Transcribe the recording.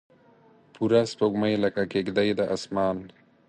پوره سپوږمۍ لکه کیږدۍ د اسمان